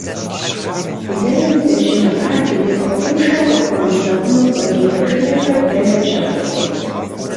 Зэи здэщымыӏа, телескопыншэу къыпхуэмылъэгъуну планетэ жыжьэхэр дэнэт щацӏыхур?